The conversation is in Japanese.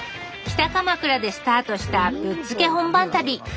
北鎌倉でスタートしたぶっつけ本番旅。